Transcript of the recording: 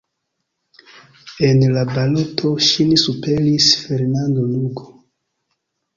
En la baloto ŝin superis Fernando Lugo.